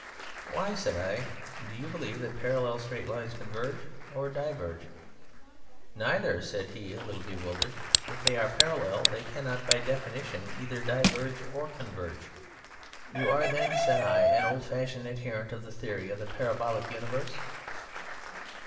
"Why," said I, "do you believe that parallel straight lines converge or diverge?" "Neither," said he, a little bewildered. "If they are parallel they cannot by definition either diverge or converge." "You are, then," said I, "an old fashioned adherent of the theory of the parabolic universe?"